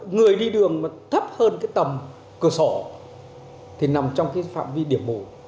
người đi đường mà thấp hơn cái tầm cửa sổ thì nằm trong cái phạm vi điểm mù